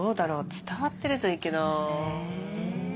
伝わってるといいけど。